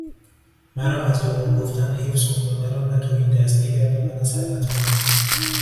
مرا از دروغ گفتن حفظ کن و مرا نه تهیدست بگردان و نه ثروتمند